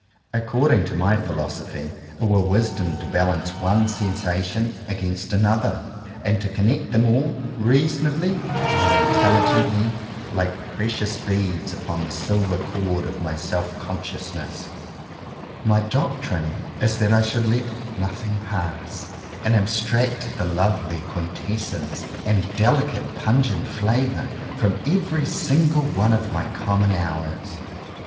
According to my philosophy, it were wisdom to balance one sensation against another, and to connect them all reasonably and intelligently, like precious beads, upon the silver cord of my self consciousness. 84 JOHN COWPER POWYS My doctrine is that I should let nothing pass, and abstract the lovely quintessence and delicate pungent flavour from every single one of my common hours.